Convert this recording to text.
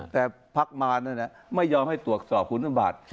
แต่พักมารนั่นน่ะไม่ยอมให้ตรวจสอบคุณภาพบาท